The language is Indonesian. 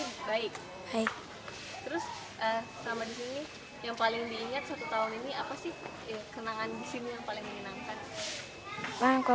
terus selama di sini yang paling diingat satu tahun ini apa sih kenangan di sini yang paling menyenangkan